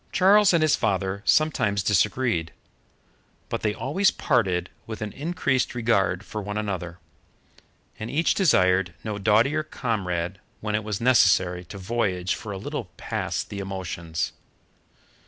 Charles and his father sometimes disagreed. But they always parted with an increased regard for one another, and each desired no doughtier comrade when it was necessary to voyage for a little past the emotions.